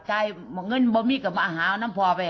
จ่ายเงินบ่มิกับอาหาร้ำพ่อไป